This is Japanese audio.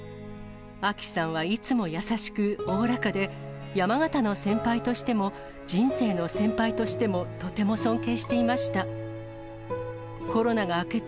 あきさんはいつも優しく、おおらかで、山形の先輩としても人生の先輩としても、とても尊敬していました。